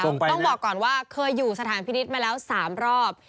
ต้องบอกก่อนว่าเคยอยู่สถานพินิษฐ์มาแล้ว๓รอบ